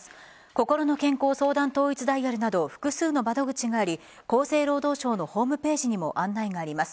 こころの健康相談統一ダイヤルなど複数の窓口があり厚生労働省のホームページにも案内があります。